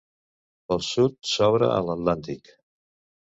Pel sud s'obre a l'Atlàntic.